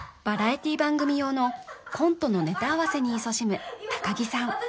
バラエティー番組用のコントのネタ合わせにいそしむ高城さん